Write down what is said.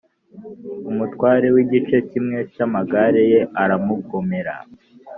umutware w’igice kimwe cy’amagare ye aramugomera